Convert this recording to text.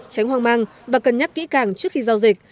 tránh hoang mang và cân nhắc kỹ càng trước khi giao dịch